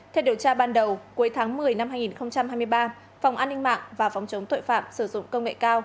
theo điều tra ban đầu cuối tháng một mươi năm hai nghìn hai mươi ba phòng an ninh mạng và phòng chống tội phạm sử dụng công nghệ cao